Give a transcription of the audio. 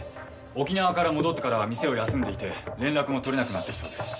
沖縄から戻ってからは店を休んでいて連絡も取れなくなってるそうです。